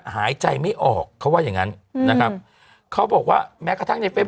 หายใจไม่ออกเขาว่าอย่างงั้นนะครับเขาบอกว่าแม้กระทั่งในเฟซ